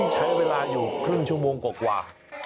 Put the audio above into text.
ใช้เวลาอยู่ครึ่งชั่วโมงกว่า